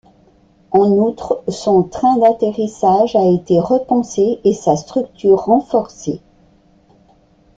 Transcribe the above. En outre, son train atterrissage a été repensé et sa structure renforcée.